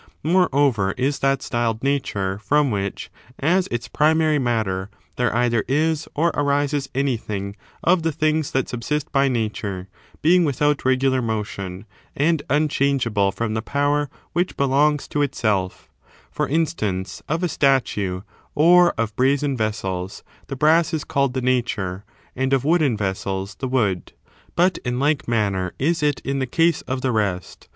Moreover, is that styled Nature from which, as its primary matter, there either is or arises anything of the things that subsist by Nature, being without regular motion,^ and un changeable from the power which belongs to itself; for instance, of a statue, or of brazen vessels, the brass is called the nature, and of wooden vessels the wood : but in like manner is it in the case of the rest.